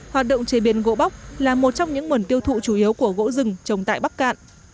hoạt động chế biến gỗ bóc là một trong những nguồn tiêu thụ chủ yếu của gỗ rừng trồng tại bắc cạn